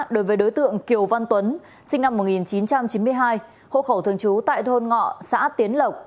đối với đối tượng kiều văn tuấn sinh năm một nghìn chín trăm chín mươi hai hộ khẩu thường trú tại thôn ngọ xã tiến lộc